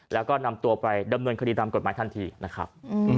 แล้วก็นำตัวไปดำเนินคดีตามกฎหมายทันทีนะครับ